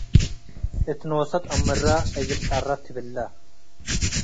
እት ኖሰ ትአምረ እግል ጸረ ትብለ።